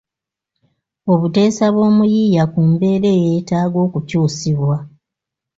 Obuteesa bw’omuyiiya ku mbeera eyeetaaga okukyusibwa